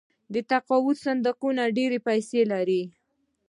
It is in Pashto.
د تقاعد صندوقونه ډیرې پیسې لري.